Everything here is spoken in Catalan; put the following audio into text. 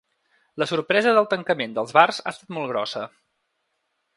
La sorpresa del tancament dels bars ha estat molt grossa.